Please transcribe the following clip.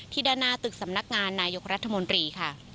ด้านหน้าตึกสำนักงานนายกรัฐมนตรีค่ะ